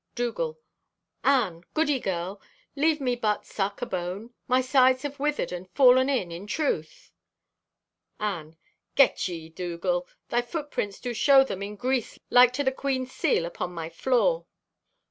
Dougal.—"Anne, goody girl, leave me but suck a bone. My sides have withered and fallen in, in truth." Anne.—"Get ye, Dougal! Thy footprints do show them in grease like to the Queen's seal upon my floor!"